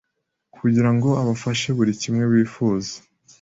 kugira ngo abafashe buri kimwe bifuza